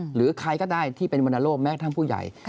หรือใครก็ได้ที่เป็นวรรณโลกแม้ทั้งผู้ใหญ่